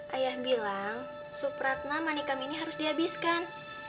ayah bilang supratna manikam ini harus dihabiskan